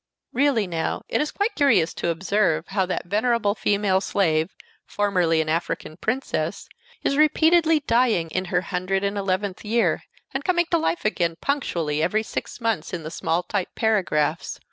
Really, now, it is quite curious to observe how that venerable female slave formerly an African princess is repeatedly dying in her hundred and eleventh year, and coming to life again punctually every six months in the small type paragraphs.